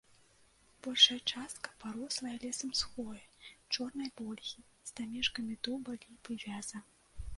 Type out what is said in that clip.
Большая частка парослая лесам з хвоі, чорнай вольхі, з дамешкамі дуба, ліпы, вяза.